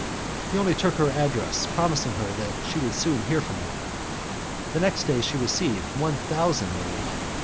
He only took her address, promising her that she would soon hear from him; the next day she received one thousand Louis.